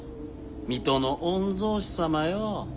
水戸の御曹司様よ。